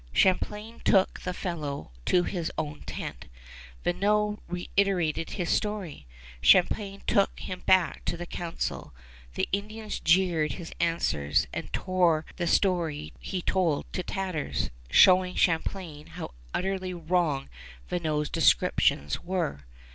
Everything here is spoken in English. Champlain took the fellow to his own tent. Vignau reiterated his story. Champlain took him back to the council. The Indians jeered his answers and tore the story he told to tatters, showing Champlain how utterly wrong Vignau's descriptions were.